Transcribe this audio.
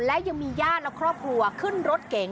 และยังมีญาติและครอบครัวขึ้นรถเก๋ง